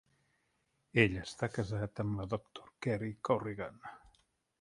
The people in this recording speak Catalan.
Ell està casat amb la Doctor Cari Corrigan.